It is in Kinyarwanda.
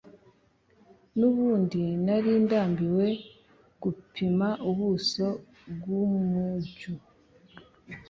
nubundi nari ndambiwe gupima ubuso by'umujyu